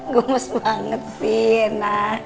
gomes banget sih nah